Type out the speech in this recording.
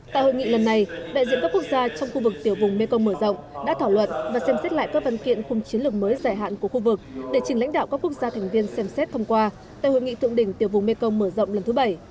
tại hội nghị lần này đại diện các quốc gia trong khu vực tiểu vùng mekong mở rộng đã thảo luận và xem xét lại các văn kiện khung chiến lược mới dài hạn của khu vực để chỉnh lãnh đạo các quốc gia thành viên xem xét thông qua tại hội nghị thượng đỉnh tiểu vùng mekong mở rộng lần thứ bảy